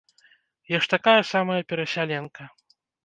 Я такая ж самая перасяленка.